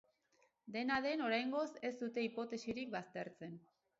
Dena den, oraingoz ez dute hipotesirik baztertzen.